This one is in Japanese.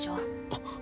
あっ。